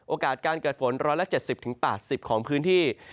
โอกาสการเกิดฝน๑๗๐๘๐ของพื้นที่